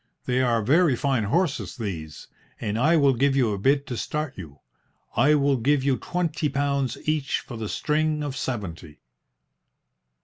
"They are very fine horses, these, and I will give you a bid to start you. I will give you twenty pounds each for the string of seventy."